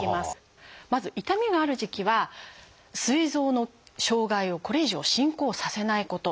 まず痛みがある時期はすい臓の障害をこれ以上進行させないこと。